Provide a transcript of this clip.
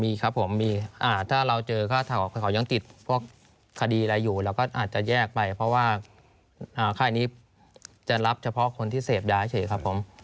มีครับผมมีถ้าเราเจอเขายังติดพวกคดีอะไรอยู่เราก็อาจจะแยกไปเพราะว่าค่ายนี้จะรับเฉพาะคนที่เสพยาเฉยครับผม